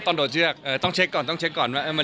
ต้องเช็คก่อนต้องเช็คก่อนมันเรียบร้อยหรือยัง